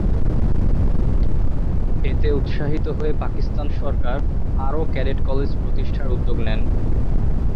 এতে উৎসাহিত হয়ে পাকিস্তান সরকার আরও ক্যাডেট কলেজ প্রতিষ্ঠার উদ্যোগ নেন।